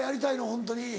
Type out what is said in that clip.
ホントに。